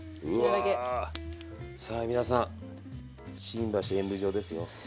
うわさあ皆さん新橋演舞場ですよ。